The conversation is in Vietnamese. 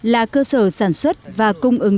là cơ sở sản xuất và cung ứng